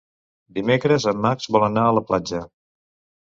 Dimecres en Max vol anar a la platja.